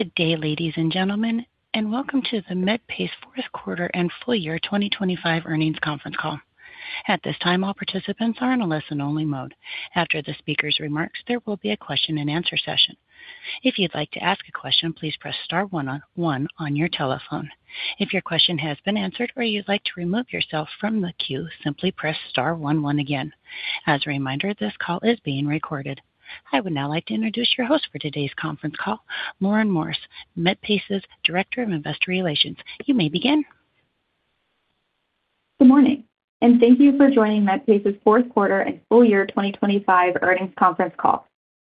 Good day, ladies and gentlemen, and welcome to the Medpace fourth quarter and full year 2025 earnings conference call. At this time, all participants are in a listen-only mode. After the speaker's remarks, there will be a question-and-answer session. If you'd like to ask a question, please press star one-one on your telephone. If your question has been answered or you'd like to remove yourself from the queue, simply press star one-one again. As a reminder, this call is being recorded. I would now like to introduce your host for today's conference call, Lauren Morris, Medpace's Director of Investor Relations. You may begin. Good morning, and thank you for joining Medpace's fourth quarter and full year 2025 earnings conference call.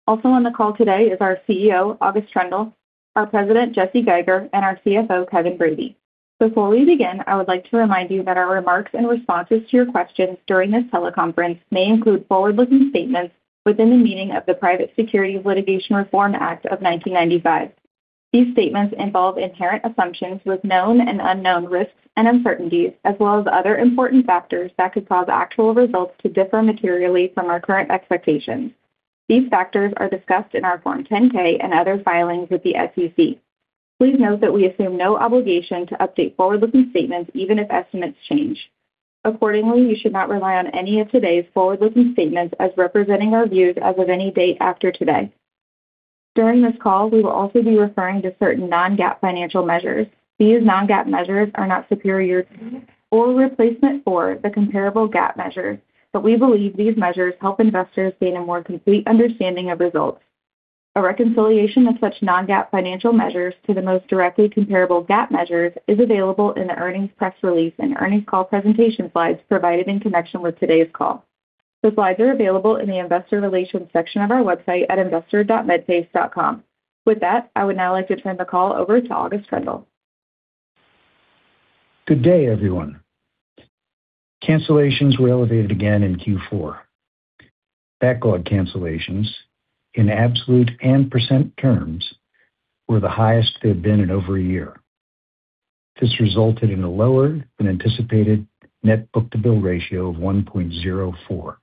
Also on the call today is our CEO, August Troendle, our president, Jesse Geiger, and our CFO, Kevin Brady. Before we begin, I would like to remind you that our remarks and responses to your questions during this teleconference may include forward-looking statements within the meaning of the Private Securities Litigation Reform Act of 1995. These statements involve inherent assumptions with known and unknown risks and uncertainties, as well as other important factors that could cause actual results to differ materially from our current expectations. These factors are discussed in our Form 10-K and other filings with the SEC. Please note that we assume no obligation to update forward-looking statements even if estimates change. Accordingly, you should not rely on any of today's forward-looking statements as representing our views as of any date after today. During this call, we will also be referring to certain Non-GAAP financial measures. These Non-GAAP measures are not superior to or replacement for the comparable GAAP measures, but we believe these measures help investors gain a more complete understanding of results. A reconciliation of such Non-GAAP financial measures to the most directly comparable GAAP measures is available in the earnings press release and earnings call presentation slides provided in connection with today's call. The slides are available in the Investor Relations section of our website at investor.medpace.com. With that, I would now like to turn the call over to August Troendle. Good day, everyone. Cancellations were elevated again in Q4. Backlog cancellations, in absolute and percent terms, were the highest they've been in over a year. This resulted in a lower than anticipated net book-to-bill ratio of 1.04.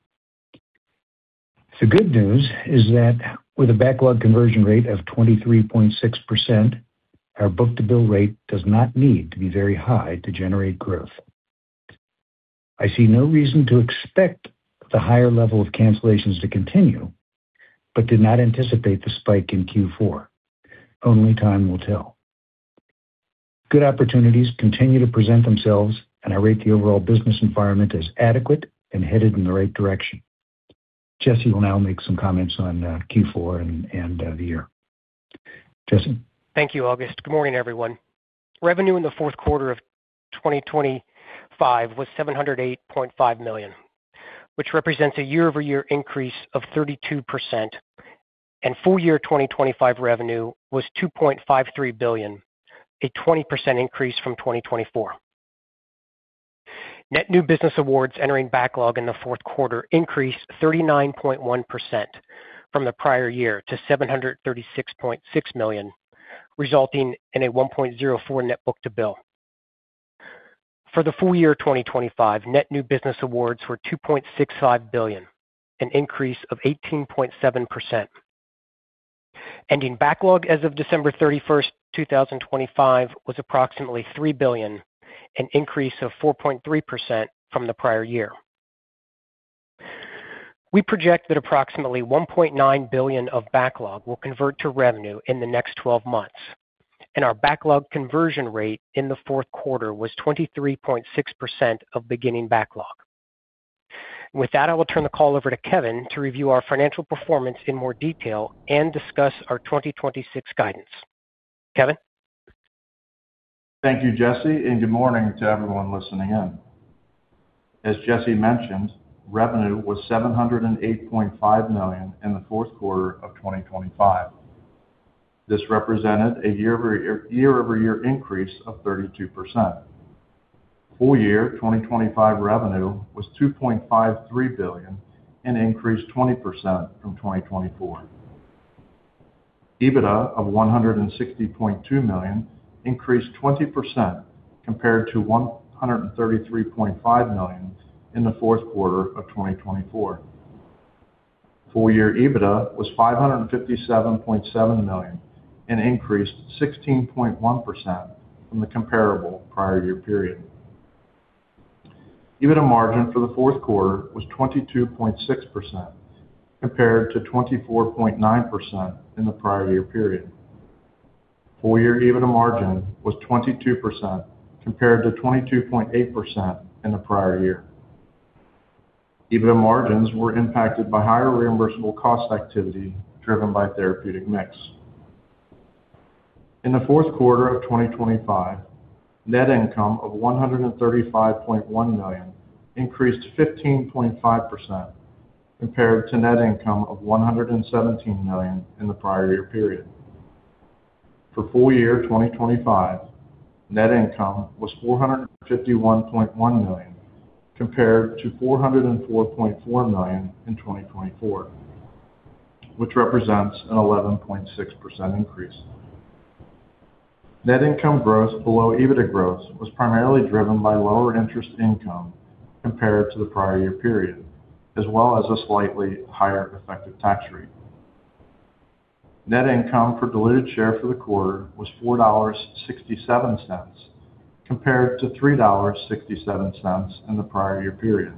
The good news is that with a backlog conversion rate of 23.6%, our book-to-bill rate does not need to be very high to generate growth. I see no reason to expect the higher level of cancellations to continue, but did not anticipate the spike in Q4. Only time will tell. Good opportunities continue to present themselves, and I rate the overall business environment as adequate and headed in the right direction. Jesse will now make some comments on Q4 and the year. Jesse. Thank you, August. Good morning, everyone. Revenue in the fourth quarter of 2025 was $708.5 million, which represents a year-over-year increase of 32%, and full year 2025 revenue was $2.53 billion, a 20% increase from 2024. Net new business awards entering backlog in the fourth quarter increased 39.1% from the prior year to $736.6 million, resulting in a 1.04 net book-to-bill. For the full year 2025, net new business awards were $2.65 billion, an increase of 18.7%. Ending backlog as of December 31st, 2025, was approximately $3 billion, an increase of 4.3% from the prior year. We project that approximately $1.9 billion of backlog will convert to revenue in the next 12 months, and our backlog conversion rate in the fourth quarter was 23.6% of beginning backlog. With that, I will turn the call over to Kevin to review our financial performance in more detail and discuss our 2026 guidance. Kevin. Thank you, Jesse, and good morning to everyone listening in. As Jesse mentioned, revenue was $708.5 million in the fourth quarter of 2025. This represented a year-over-year increase of 32%. Full year 2025 revenue was $2.53 billion, an increase 20% from 2024. EBITDA of $160.2 million increased 20% compared to $133.5 million in the fourth quarter of 2024. Full year EBITDA was $557.7 million, an increase 16.1% from the comparable prior year period. EBITDA margin for the fourth quarter was 22.6% compared to 24.9% in the prior year period. Full year EBITDA margin was 22% compared to 22.8% in the prior year. EBITDA margins were impacted by higher reimbursable cost activity driven by therapeutic mix. In the fourth quarter of 2025, net income of $135.1 million increased 15.5% compared to net income of $117 million in the prior year period. For full year 2025, net income was $451.1 million compared to $404.4 million in 2024, which represents an 11.6% increase. Net income growth below EBITDA growth was primarily driven by lower interest income compared to the prior year period, as well as a slightly higher effective tax rate. Net income per diluted share for the quarter was $4.67 compared to $3.67 in the prior year period.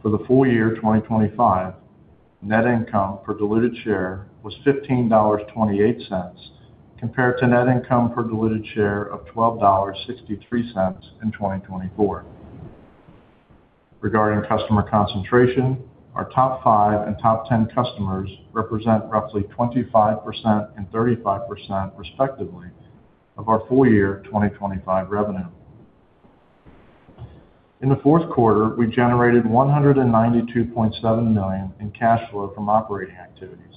For the full year 2025, net income per diluted share was $15.28 compared to net income per diluted share of $12.63 in 2024. Regarding customer concentration, our top five and top 10 customers represent roughly 25% and 35%, respectively, of our full year 2025 revenue. In the fourth quarter, we generated $192.7 million in cash flow from operating activities,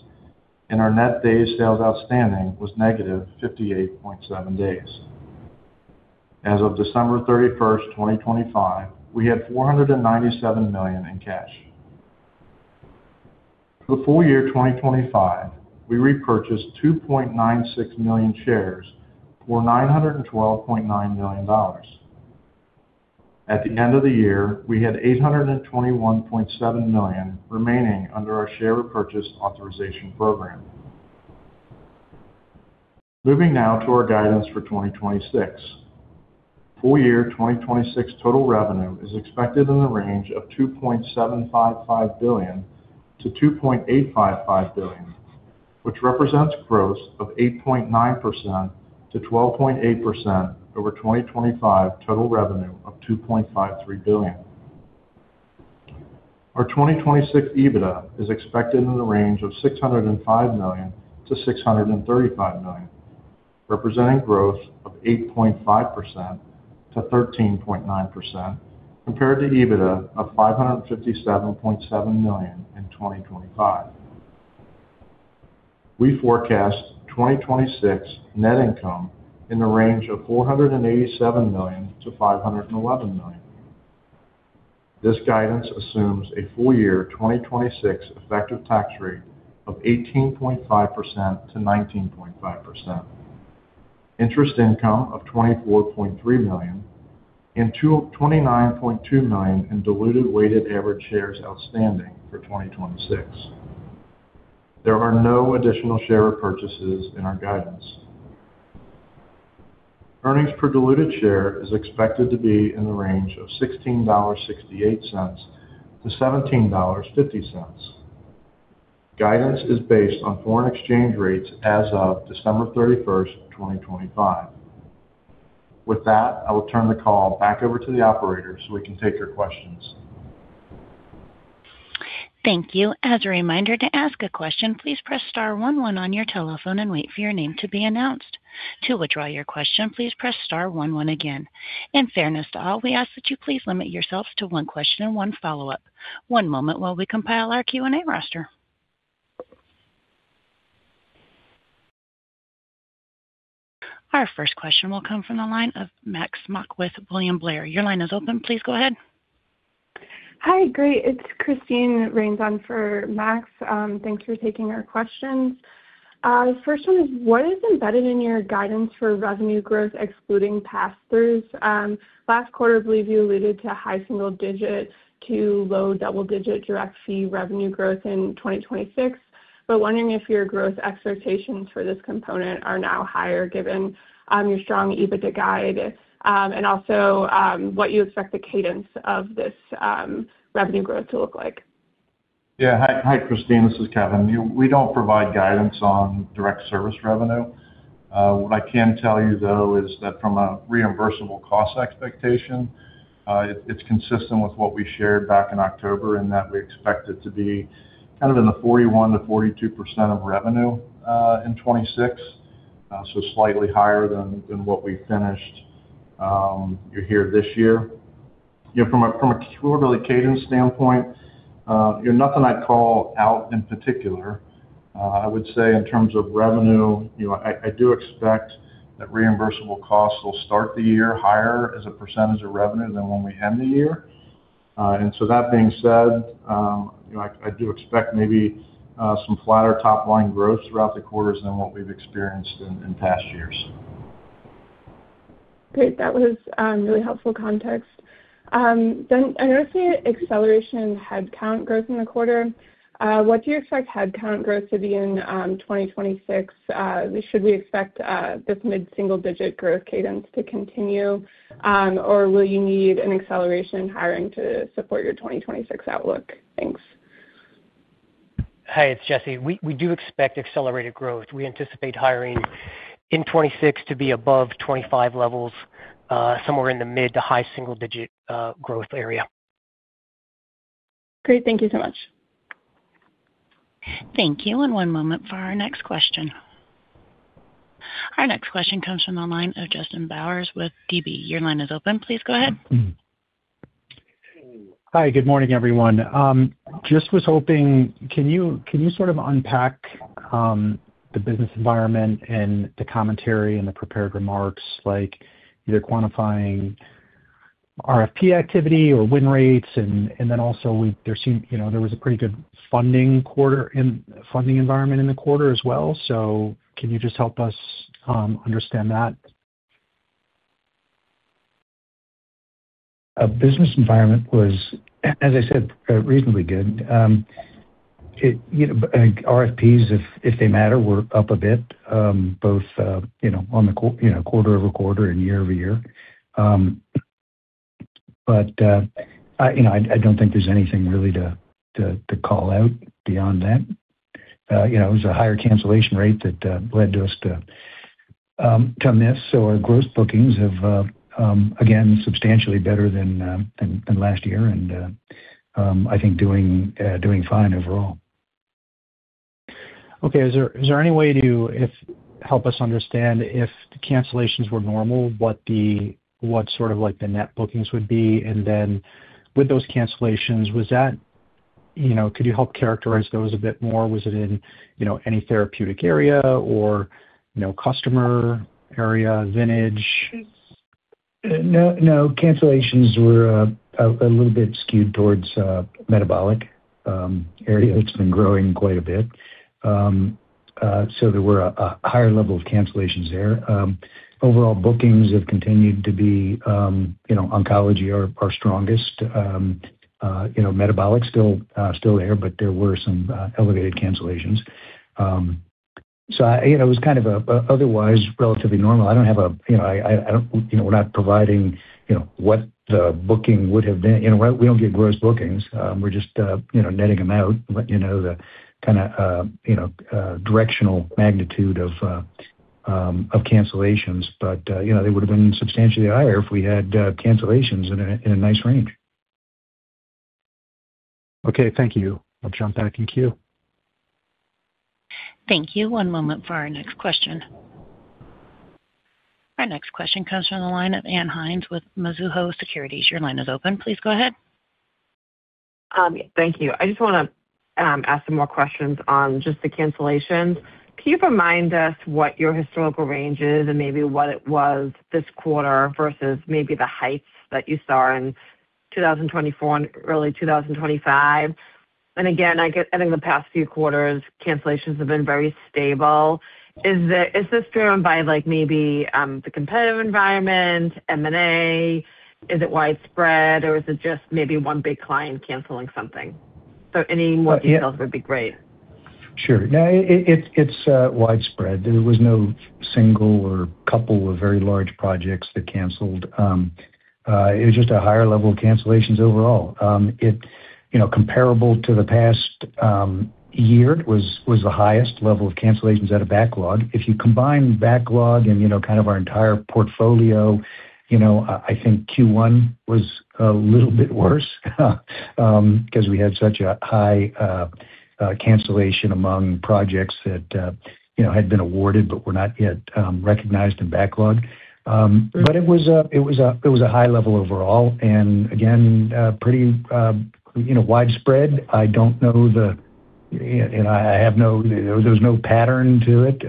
and our net daily sales outstanding was negative 58.7 days. As of December 31st, 2025, we had $497 million in cash. For the full year 2025, we repurchased 2.96 million shares for $912.9 million. At the end of the year, we had $821.7 million remaining under our share repurchase authorization program. Moving now to our guidance for 2026. Full year 2026 total revenue is expected in the range of $2.755 billion-$2.855 billion, which represents growth of 8.9%-12.8% over 2025 total revenue of $2.53 billion. Our 2026 EBITDA is expected in the range of $605 million-$635 million, representing growth of 8.5%-13.9% compared to EBITDA of $557.7 million in 2025. We forecast 2026 net income in the range of $487 million-$511 million. This guidance assumes a full year 2026 effective tax rate of 18.5%-19.5%, interest income of $24.3 million-$29.2 million, and 29.2 million in diluted weighted average shares outstanding for 2026. There are no additional share repurchases in our guidance. Earnings per diluted share is expected to be in the range of $16.68-$17.50. Guidance is based on foreign exchange rates as of December 31st, 2025. With that, I will turn the call back over to the operator so we can take your questions. Thank you. As a reminder, to ask a question, please press star one one on your telephone and wait for your name to be announced. To withdraw your question, please press star one one again. In fairness to all, we ask that you please limit yourselves to one question and one follow-up. One moment while we compile our Q&A roster. Our first question will come from the line of Max Smock, William Blair. Your line is open. Please go ahead. Hi, great. It's Christine Rains for Max. Thanks for taking our questions. First one is, what is embedded in your guidance for revenue growth excluding pass-throughs? Last quarter, I believe you alluded to high single-digit to low double-digit direct fee revenue growth in 2026, but wondering if your growth expectations for this component are now higher given your strong EBITDA guide and also what you expect the cadence of this revenue growth to look like? Yeah, hi, Christine. This is Kevin. We don't provide guidance on direct service revenue. What I can tell you, though, is that from a reimbursable cost expectation, it's consistent with what we shared back in October in that we expect it to be kind of in the 41%-42% of revenue in 2026, so slightly higher than what we finished here this year. From a quarterly cadence standpoint, nothing I'd call out in particular. I would say in terms of revenue, I do expect that reimbursable costs will start the year higher as a percentage of revenue than when we end the year. And so that being said, I do expect maybe some flatter top-line growth throughout the quarters than what we've experienced in past years. Great. That was really helpful context. I noticed the acceleration in headcount growth in the quarter. What do you expect headcount growth to be in 2026? Should we expect this mid-single-digit growth cadence to continue, or will you need an acceleration in hiring to support your 2026 outlook? Thanks. Hi, it's Jesse. We do expect accelerated growth. We anticipate hiring in 2026 to be above 25 levels, somewhere in the mid to high single-digit growth area. Great. Thank you so much. Thank you. One moment for our next question. Our next question comes from the line of Justin Bowers with DB. Your line is open. Please go ahead. Hi. Good morning, everyone. Just was hoping, can you sort of unpack the business environment and the commentary and the prepared remarks, either quantifying RFP activity or win rates, and then also there was a pretty good funding environment in the quarter as well. So can you just help us understand that? A business environment was, as I said, reasonably good. RFPs, if they matter, were up a bit, both on the quarter-over-quarter and year-over-year. But I don't think there's anything really to call out beyond that. It was a higher cancellation rate that led to us to miss. So our gross bookings have, again, substantially better than last year, and I think doing fine overall. Okay. Is there any way to help us understand if cancellations were normal, what sort of the net bookings would be? And then with those cancellations, could you help characterize those a bit more? Was it in any therapeutic area or customer area, vintage? No, cancellations were a little bit skewed towards the metabolic area. It's been growing quite a bit. So there were a higher level of cancellations there. Overall, bookings have continued to be oncology our strongest. Metabolic's still there, but there were some elevated cancellations. So it was kind of otherwise relatively normal. We're not providing what the booking would have been. We don't get gross bookings. We're just netting them out, the kind of directional magnitude of cancellations. But they would have been substantially higher if we had cancellations in a nice range. Okay. Thank you. I'll jump back in queue. Thank you. One moment for our next question. Our next question comes from the line of Ann Hynes with Mizuho Securities. Your line is open. Please go ahead. Thank you. I just want to ask some more questions on just the cancellations. Can you remind us what your historical range is and maybe what it was this quarter versus maybe the heights that you saw in 2024 and early 2025? And again, I think the past few quarters, cancellations have been very stable. Is this driven by maybe the competitive environment, M&A? Is it widespread, or is it just maybe one big client canceling something? So any more details would be great. Sure. Now, it's widespread. There was no single or couple of very large projects that canceled. It was just a higher level of cancellations overall. Comparable to the past year, it was the highest level of cancellations at a backlog. If you combine backlog and kind of our entire portfolio, I think Q1 was a little bit worse because we had such a high cancellation among projects that had been awarded but were not yet recognized in backlog. But it was a high level overall and, again, pretty widespread. I don't know. And there was no pattern to it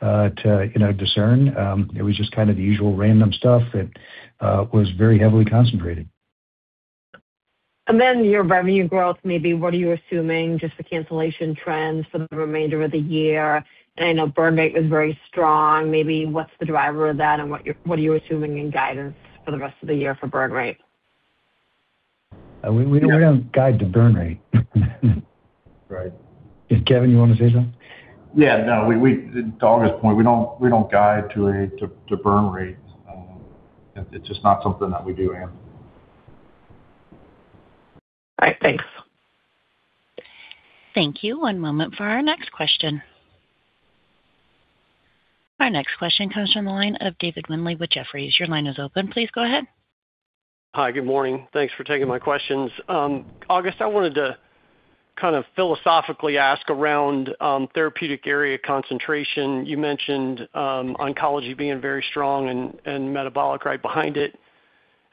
to discern. It was just kind of the usual random stuff that was very heavily concentrated. And then your revenue growth, maybe what are you assuming, just the cancellation trends for the remainder of the year? I know burn rate was very strong. Maybe what's the driver of that and what are you assuming in guidance for the rest of the year for burn rate? We don't guide to burn rate. Right. Kevin, you want to say something? Yeah. No. To August's point, we don't guide to burn rate. It's just not something that we do handle. All right. Thanks. Thank you. One moment for our next question. Our next question comes from the line of David Windley with Jefferies. Your line is open. Please go ahead. Hi. Good morning. Thanks for taking my questions. August, I wanted to kind of philosophically ask around therapeutic area concentration. You mentioned oncology being very strong and metabolic right behind it.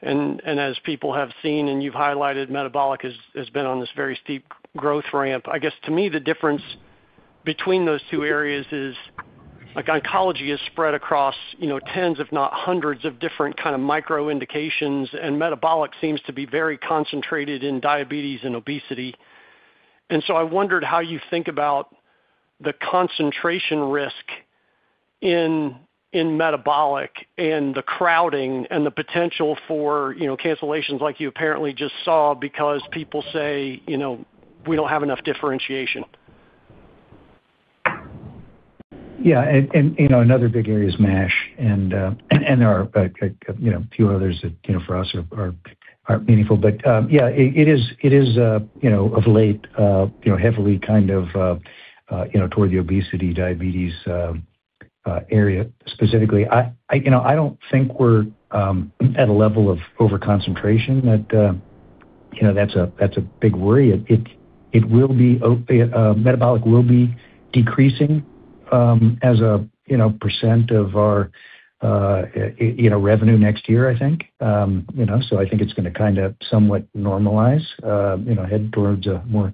And as people have seen and you've highlighted, metabolic has been on this very steep growth ramp. I guess to me, the difference between those two areas is oncology is spread across tens, if not hundreds, of different kind of microindications, and metabolic seems to be very concentrated in diabetes and obesity. And so I wondered how you think about the concentration risk in metabolic and the crowding and the potential for cancellations like you apparently just saw because people say, "We don't have enough differentiation. Yeah. Another big area is MASH. There are a few others that for us are meaningful. Yeah, it is of late heavily kind of toward the obesity, diabetes area specifically. I don't think we're at a level of overconcentration that that's a big worry. Metabolic will be decreasing as a percent of our revenue next year, I think. I think it's going to kind of somewhat normalize, head towards a more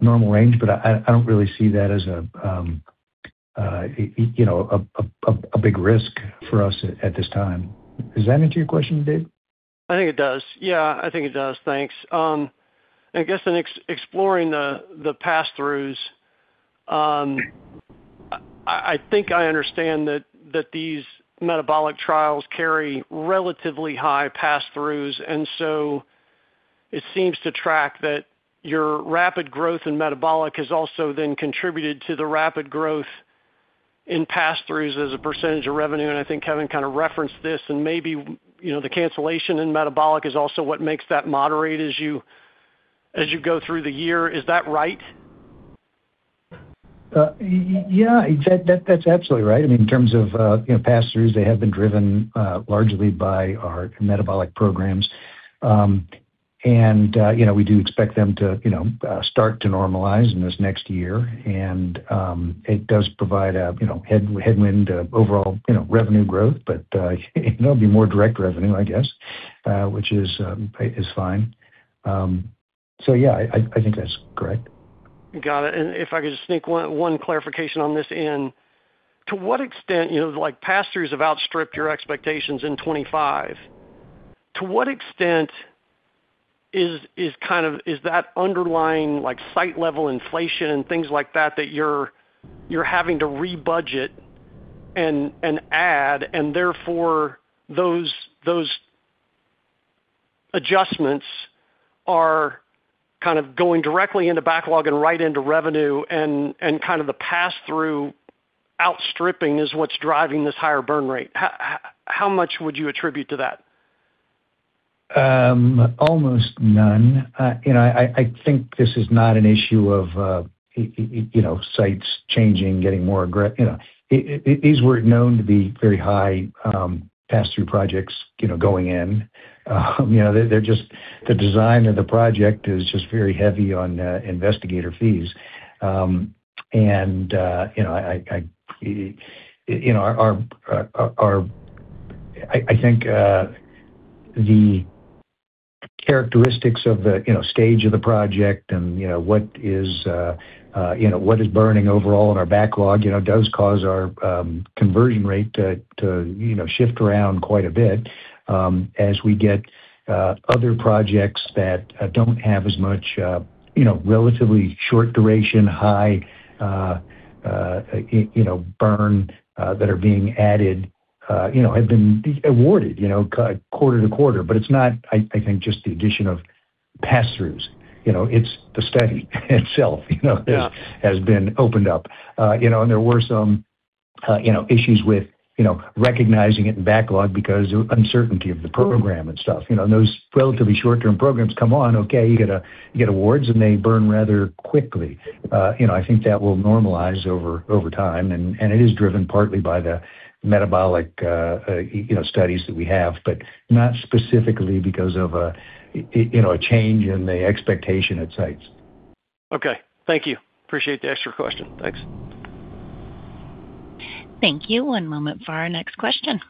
normal range. I don't really see that as a big risk for us at this time. Does that answer your question, Dave? I think it does. Yeah, I think it does. Thanks. I guess in exploring the pass-throughs, I think I understand that these metabolic trials carry relatively high pass-throughs. And so it seems to track that your rapid growth in metabolic has also then contributed to the rapid growth in pass-throughs as a percentage of revenue. And I think Kevin kind of referenced this. And maybe the cancellation in metabolic is also what makes that moderate as you go through the year. Is that right? Yeah, that's absolutely right. I mean, in terms of pass-throughs, they have been driven largely by our metabolic programs. We do expect them to start to normalize in this next year. It does provide headwind to overall revenue growth, but it'll be more direct revenue, I guess, which is fine. So yeah, I think that's correct. Got it. And if I could just sneak one clarification on this in. To what extent have pass-throughs outstripped your expectations in 2025? To what extent is that underlying site-level inflation and things like that that you're having to rebudget and add, and therefore those adjustments are kind of going directly into backlog and right into revenue, and kind of the pass-through outstripping is what's driving this higher burn rate? How much would you attribute to that? Almost none. I think this is not an issue of sites changing, getting more aggressive. These were known to be very high pass-through projects going in. The design of the project is just very heavy on investigator fees. And I think the characteristics of the stage of the project and what is burning overall in our backlog does cause our conversion rate to shift around quite a bit as we get other projects that don't have as much relatively short-duration, high burn that are being added, have been awarded quarter to quarter. But it's not, I think, just the addition of pass-throughs. It's the study itself has been opened up. And there were some issues with recognizing it in backlog because of uncertainty of the program and stuff. And those relatively short-term programs come on, okay, you get awards, and they burn rather quickly. I think that will normalize over time. It is driven partly by the metabolic studies that we have, but not specifically because of a change in the expectation at sites. Okay. Thank you. Appreciate the extra question. Thanks. Thank you. One moment for our next question.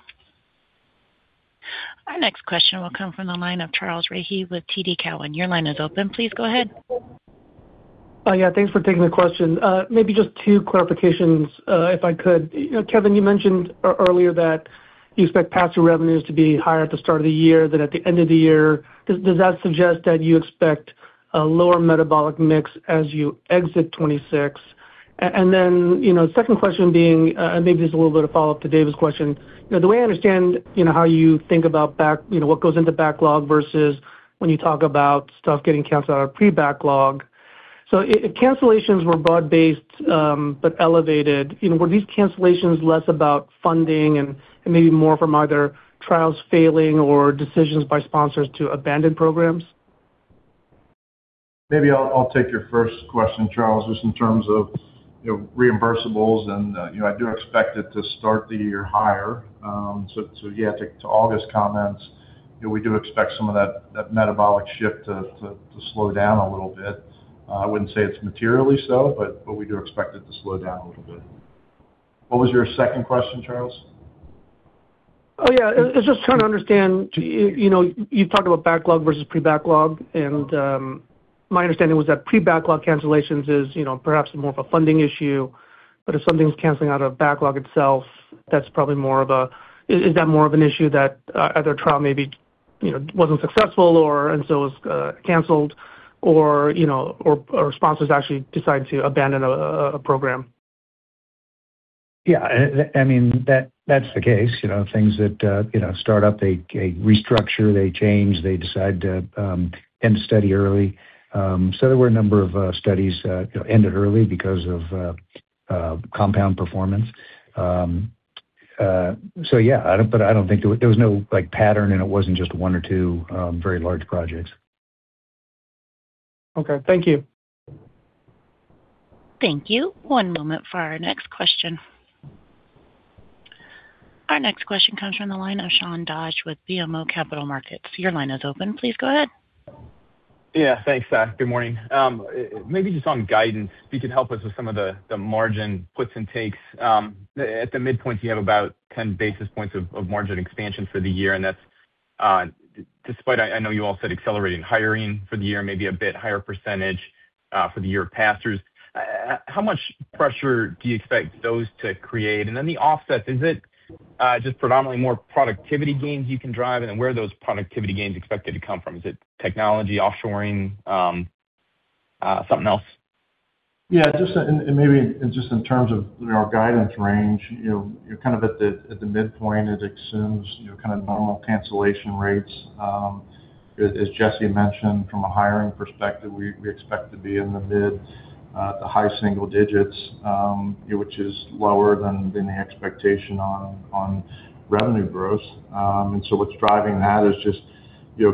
Our next question will come from the line of Charles Rhyee with TD Cowen. Your line is open. Please go ahead. Yeah. Thanks for taking the question. Maybe just two clarifications, if I could. Kevin, you mentioned earlier that you expect pass-through revenues to be higher at the start of the year than at the end of the year. Does that suggest that you expect a lower metabolic mix as you exit 2026? And then the second question being, and maybe this is a little bit of follow-up to Dave's question, the way I understand how you think about what goes into backlog versus when you talk about stuff getting canceled out of pre-backlog. So if cancellations were broad-based but elevated, were these cancellations less about funding and maybe more from either trials failing or decisions by sponsors to abandon programs? Maybe I'll take your first question, Charles, just in terms of reimbursables. And I do expect it to start the year higher. So yeah, to August's comments, we do expect some of that metabolic shift to slow down a little bit. I wouldn't say it's materially so, but we do expect it to slow down a little bit. What was your second question, Charles? Oh, yeah. I was just trying to understand. You've talked about backlog versus pre-backlog. And my understanding was that pre-backlog cancellations is perhaps more of a funding issue. But if something's canceling out of backlog itself, that's probably more of—is that more of an issue that either a trial maybe wasn't successful and so was canceled, or sponsors actually decide to abandon a program? Yeah. I mean, that's the case. Things that start up, they restructure, they change, they decide to end the study early. So there were a number of studies that ended early because of compound performance. So yeah, but I don't think there was no pattern, and it wasn't just one or two very large projects. Okay. Thank you. Thank you. One moment for our next question. Our next question comes from the line of Sean Dodge with BMO Capital Markets. Your line is open. Please go ahead. Yeah. Thanks, Zach. Good morning. Maybe just on guidance, if you could help us with some of the margin puts and takes. At the midpoint, you have about 10 basis points of margin expansion for the year. And despite I know you all said accelerating hiring for the year, maybe a bit higher percentage for the year of pass-throughs, how much pressure do you expect those to create? And then the offsets, is it just predominantly more productivity gains you can drive? And then where are those productivity gains expected to come from? Is it technology, offshoring, something else? Yeah. And maybe just in terms of our guidance range, you're kind of at the midpoint. It assumes kind of normal cancellation rates. As Jesse mentioned, from a hiring perspective, we expect to be in the mid to high single digits, which is lower than the expectation on revenue growth. And so what's driving that is just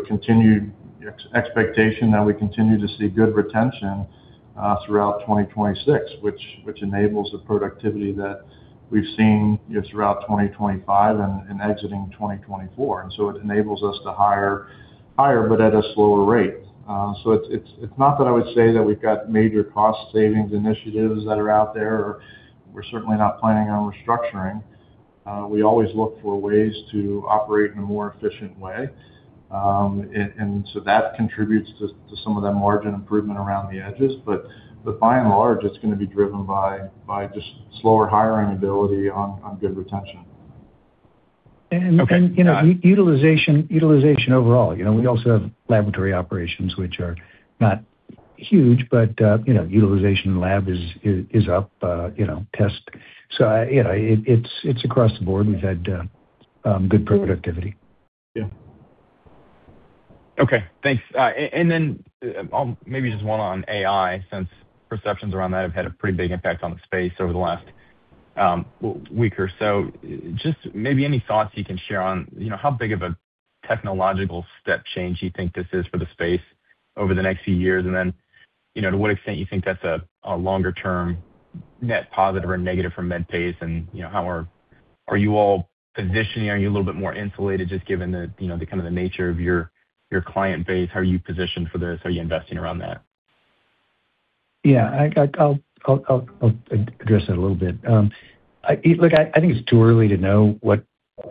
continued expectation that we continue to see good retention throughout 2026, which enables the productivity that we've seen throughout 2025 and exiting 2024. And so it enables us to hire higher, but at a slower rate. So it's not that I would say that we've got major cost-savings initiatives that are out there, or we're certainly not planning on restructuring. We always look for ways to operate in a more efficient way. And so that contributes to some of that margin improvement around the edges. But by and large, it's going to be driven by just slower hiring ability on good retention. Utilization overall. We also have laboratory operations, which are not huge, but utilization in lab is up. So it's across the board. We've had good productivity. Yeah. Okay. Thanks. And then maybe just one on AI since perceptions around that have had a pretty big impact on the space over the last week or so. Just maybe any thoughts you can share on how big of a technological step change you think this is for the space over the next few years, and then to what extent you think that's a longer-term net positive or negative for Medpace and how are you all positioning? Are you a little bit more insulated just given kind of the nature of your client base? How are you positioned for this? How are you investing around that? Yeah. I'll address it a little bit. Look, I think it's too early to know what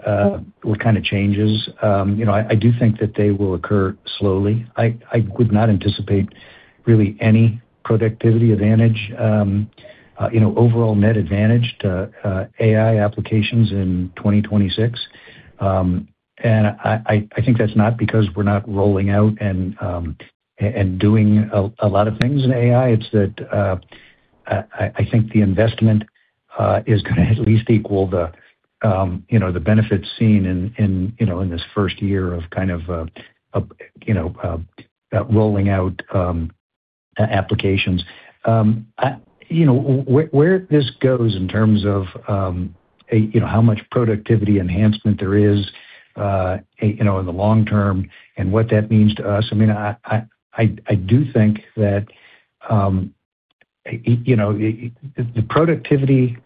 kind of changes. I do think that they will occur slowly. I would not anticipate really any productivity advantage, overall net advantage to AI applications in 2026. And I think that's not because we're not rolling out and doing a lot of things in AI. It's that I think the investment is going to at least equal the benefits seen in this first year of kind of rolling out applications. Where this goes in terms of how much productivity enhancement there is in the long term and what that means to us, I mean, I do think that the productivity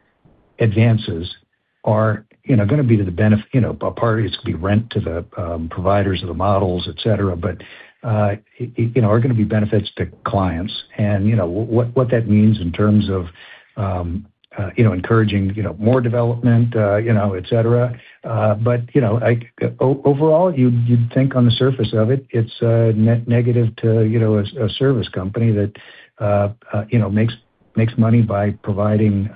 advances are going to be to the benefit apart, it's going to be rent to the providers of the models, etc., but are going to be benefits to clients. And what that means in terms of encouraging more development, etc. But overall, you'd think on the surface of it, it's a net negative to a service company that makes money by providing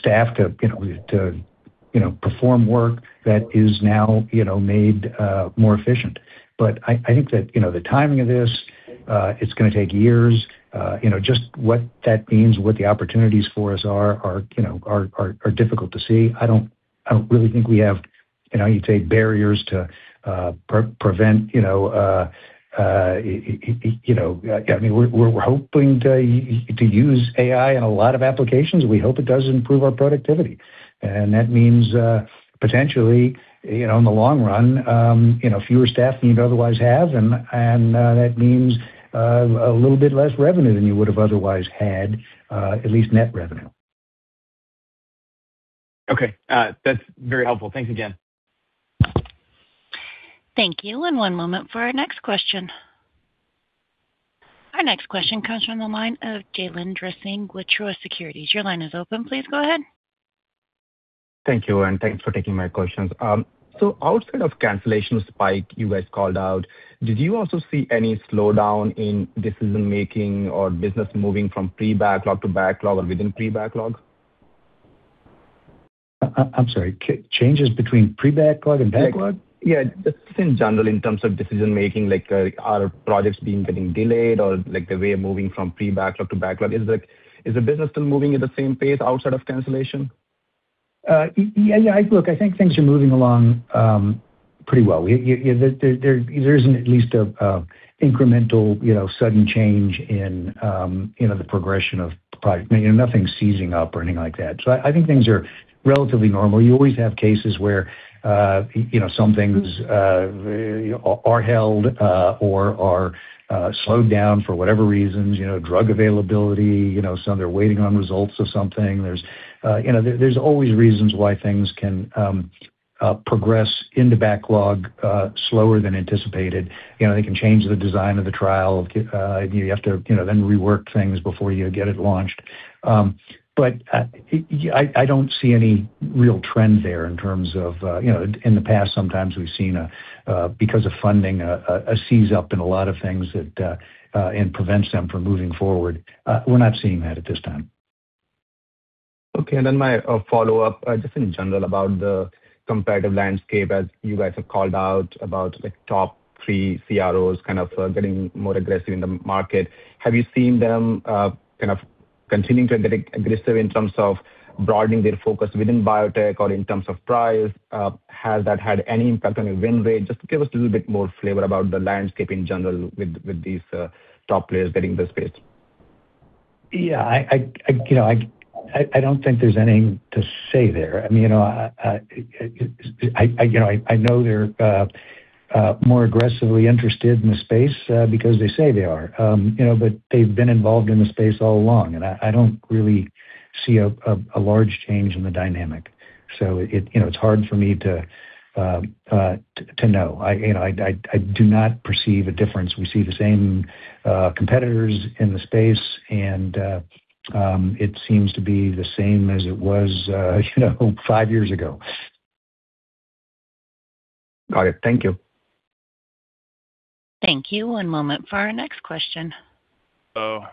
staff to perform work that is now made more efficient. But I think that the timing of this, it's going to take years. Just what that means, what the opportunities for us are, are difficult to see. I don't really think we have, you'd say, barriers to prevent yeah, I mean, we're hoping to use AI in a lot of applications. We hope it does improve our productivity. And that means potentially, in the long run, fewer staff than you'd otherwise have. And that means a little bit less revenue than you would have otherwise had, at least net revenue. Okay. That's very helpful. Thanks again. Thank you. One moment for our next question. Our next question comes from the line of Jailendra Singh, Truist Securities. Your line is open. Please go ahead. Thank you, Lauren. Thanks for taking my questions. So outside of cancellation spike you guys called out, did you also see any slowdown in decision-making or business moving from pre-backlog to backlog or within pre-backlog? I'm sorry. Changes between pre-backlog and backlog? Yeah. Just in general in terms of decision-making, like are projects being getting delayed or the way they're moving from pre-backlog to backlog? Is the business still moving at the same pace outside of cancellation? Yeah. Yeah. Look, I think things are moving along pretty well. There isn't at least an incremental sudden change in the progression of projects. Nothing's seizing up or anything like that. So I think things are relatively normal. You always have cases where some things are held or are slowed down for whatever reasons, drug availability, some that are waiting on results of something. There's always reasons why things can progress into backlog slower than anticipated. They can change the design of the trial. You have to then rework things before you get it launched. But I don't see any real trend there in terms of in the past, sometimes we've seen, because of funding, a seize-up in a lot of things and prevents them from moving forward. We're not seeing that at this time. Okay. And then my follow-up, just in general about the competitive landscape, as you guys have called out about top three CROs kind of getting more aggressive in the market, have you seen them kind of continuing to get aggressive in terms of broadening their focus within biotech or in terms of price? Has that had any impact on your win rate? Just give us a little bit more flavor about the landscape in general with these top players getting the space. Yeah. I don't think there's anything to say there. I mean, I know they're more aggressively interested in the space because they say they are. But they've been involved in the space all along. And I don't really see a large change in the dynamic. So it's hard for me to know. I do not perceive a difference. We see the same competitors in the space, and it seems to be the same as it was five years ago. Got it. Thank you. Thank you. One moment for our next question. Hello.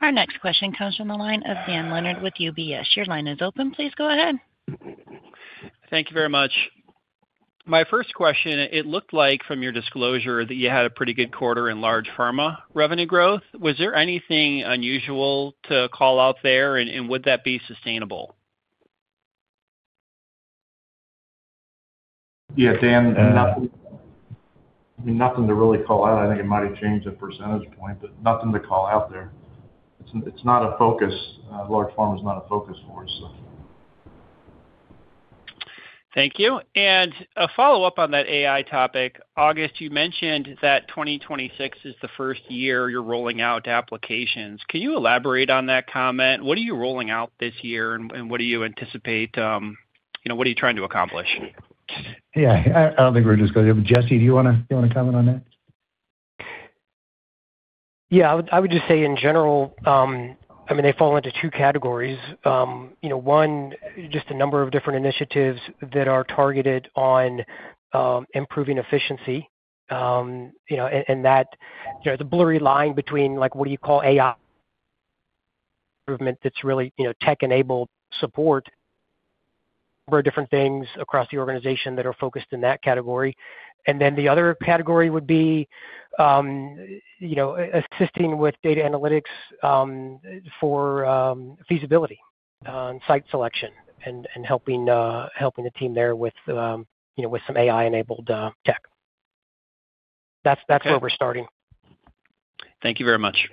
Our next question comes from the line of Dan Leonard with UBS. Your line is open. Please go ahead. Thank you very much. My first question, it looked like from your disclosure that you had a pretty good quarter in large pharma revenue growth. Was there anything unusual to call out there, and would that be sustainable? Yeah, Dan, nothing to really call out. I think it might have changed a percentage point, but nothing to call out there. It's not a focus. Large pharma is not a focus for us, so. Thank you. A follow-up on that AI topic, August, you mentioned that 2026 is the first year you're rolling out applications. Can you elaborate on that comment? What are you rolling out this year, and what do you anticipate? What are you trying to accomplish? Yeah. I don't think we're just going to Jesse. Do you want to comment on that? Yeah. I would just say, in general, I mean, they fall into two categories. One, just a number of different initiatives that are targeted on improving efficiency. And that the blurry line between what do you call AI improvement that's really tech-enabled support, there are different things across the organization that are focused in that category. And then the other category would be assisting with data analytics for feasibility and site selection and helping the team there with some AI-enabled tech. That's where we're starting. Thank you very much.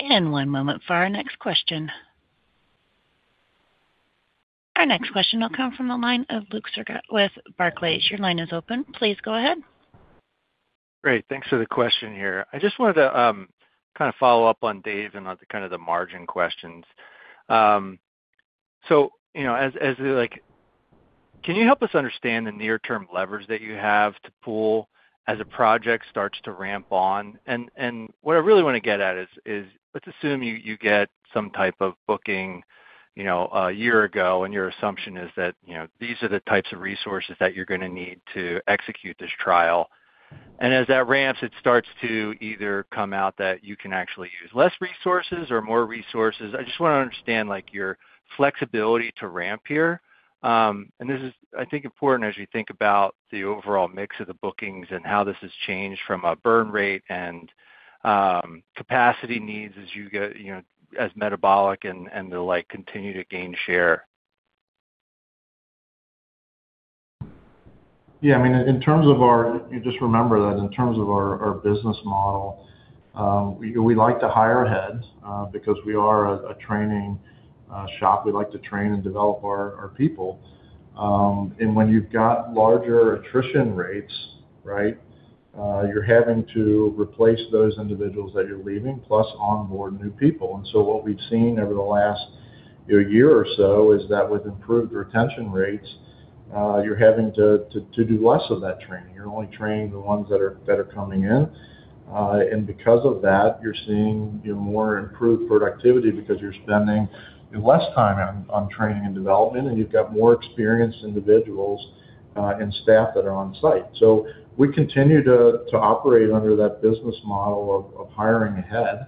One moment for our next question. Our next question will come from the line of Luke Sergott with Barclays. Your line is open. Please go ahead. Great. Thanks for the question here. I just wanted to kind of follow up on Dave and kind of the margin questions. So can you help us understand the near-term leverage that you have to pull as a project starts to ramp on? And what I really want to get at is let's assume you get some type of booking a year ago, and your assumption is that these are the types of resources that you're going to need to execute this trial. And as that ramps, it starts to either come out that you can actually use less resources or more resources. I just want to understand your flexibility to ramp here. This is, I think, important as you think about the overall mix of the bookings and how this has changed from a burn rate and capacity needs as you get as metabolic and to continue to gain share. Yeah. I mean, in terms of our—just remember that in terms of our business model, we like to hire ahead because we are a training shop. We like to train and develop our people. And when you've got larger attrition rates, right, you're having to replace those individuals that you're leaving plus onboard new people. And so what we've seen over the last year or so is that with improved retention rates, you're having to do less of that training. You're only training the ones that are coming in. And because of that, you're seeing more improved productivity because you're spending less time on training and development, and you've got more experienced individuals and staff that are on site. We continue to operate under that business model of hiring ahead,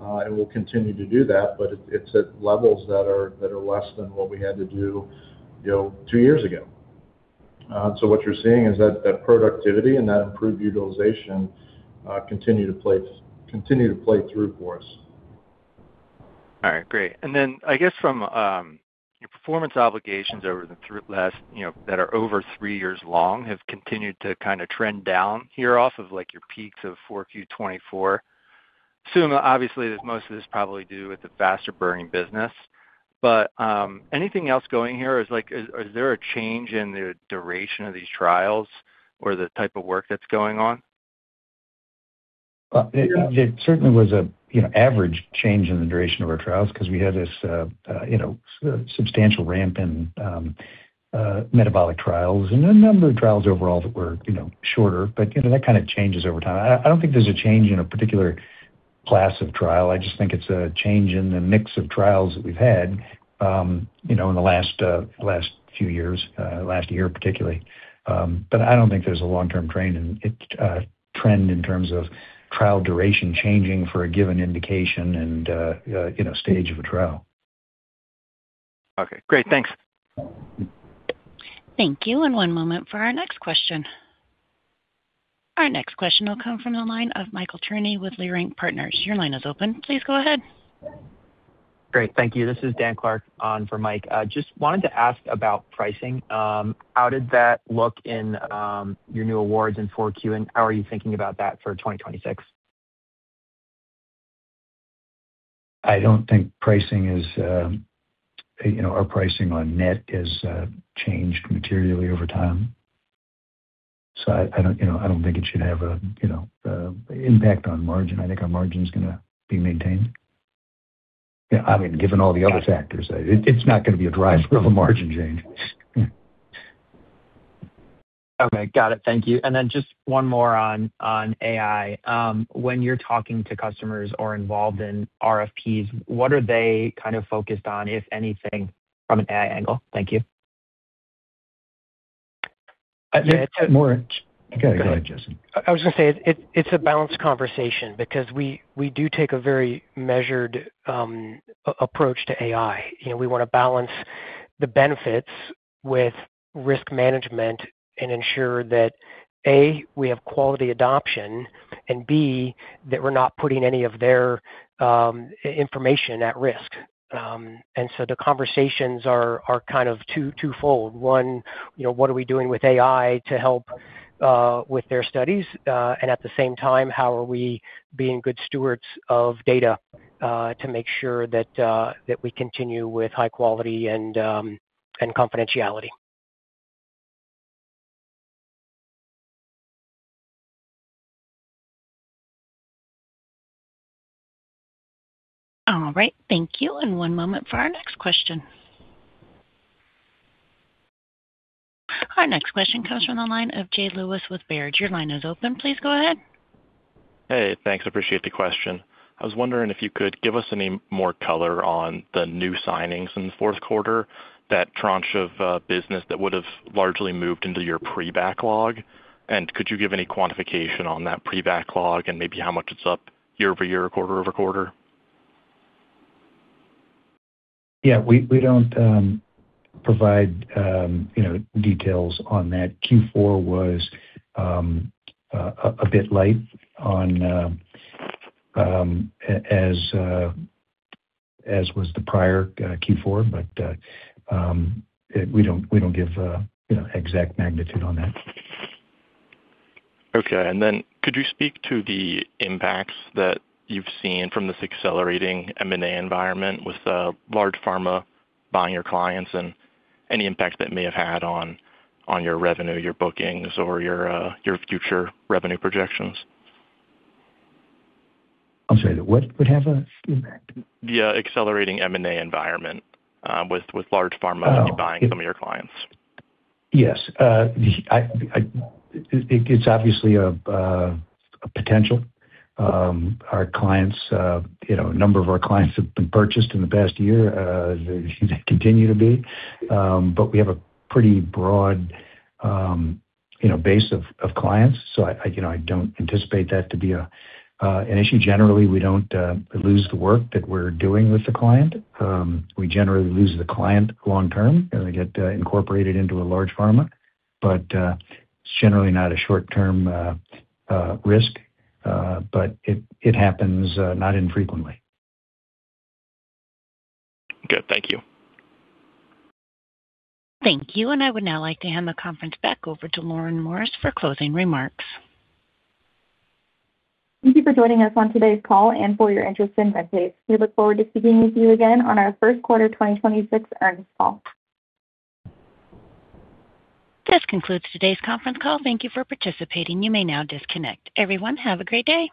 and we'll continue to do that, but it's at levels that are less than what we had to do two years ago. What you're seeing is that productivity and that improved utilization continue to play through for us. All right. Great. And then I guess from your performance obligations over the last that are over three years long have continued to kind of trend down here off of your peaks of 4Q2024. Obviously, most of this probably due to the faster-burning business. But anything else going here? Is there a change in the duration of these trials or the type of work that's going on? There certainly was an average change in the duration of our trials because we had this substantial ramp in metabolic trials and a number of trials overall that were shorter. But that kind of changes over time. I don't think there's a change in a particular class of trial. I just think it's a change in the mix of trials that we've had in the last few years, last year particularly. But I don't think there's a long-term trend in terms of trial duration changing for a given indication and stage of a trial. Okay. Great. Thanks. Thank you. One moment for our next question. Our next question will come from the line of Michael Cherny with Leerink Partners. Your line is open. Please go ahead. Great. Thank you. This is Dan Clark on for Mike. Just wanted to ask about pricing. How did that look in your new awards in 4Q, and how are you thinking about that for 2026? I don't think pricing is our pricing on net has changed materially over time. So I don't think it should have an impact on margin. I think our margin is going to be maintained. I mean, given all the other factors, it's not going to be a driver of a margin change. Okay. Got it. Thank you. And then just one more on AI. When you're talking to customers or involved in RFPs, what are they kind of focused on, if anything, from an AI angle? Thank you. I got to go ahead, Jesse. I was going to say it's a balanced conversation because we do take a very measured approach to AI. We want to balance the benefits with risk management and ensure that, A, we have quality adoption, and B, that we're not putting any of their information at risk. And so the conversations are kind of twofold. One, what are we doing with AI to help with their studies? And at the same time, how are we being good stewards of data to make sure that we continue with high quality and confidentiality? All right. Thank you. One moment for our next question. Our next question comes from the line of Jay Lewis with Baird. Your line is open. Please go ahead. Hey. Thanks. I appreciate the question. I was wondering if you could give us any more color on the new signings in the fourth quarter, that tranche of business that would have largely moved into your pre-backlog? And could you give any quantification on that pre-backlog and maybe how much it's up year-over-year, quarter-over-quarter? Yeah. We don't provide details on that. Q4 was a bit light as was the prior Q4, but we don't give exact magnitude on that. Okay. And then could you speak to the impacts that you've seen from this accelerating M&A environment with large pharma buying your clients and any impact that may have had on your revenue, your bookings, or your future revenue projections? I'm sorry. What would have an impact? The accelerating M&A environment with large pharma buying some of your clients. Yes. It's obviously a potential. A number of our clients have been purchased in the past year. They continue to be. But we have a pretty broad base of clients, so I don't anticipate that to be an issue. Generally, we don't lose the work that we're doing with the client. We generally lose the client long-term and they get incorporated into a large pharma. But it's generally not a short-term risk, but it happens not infrequently. Good. Thank you. Thank you. I would now like to hand the conference back over to Lauren Morris for closing remarks. Thank you for joining us on today's call and for your interest in Medpace. We look forward to speaking with you again on our first quarter 2026 earnings call. This concludes today's conference call. Thank you for participating. You may now disconnect. Everyone, have a great day.